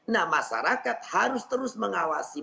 nah masyarakat harus terus mengawasi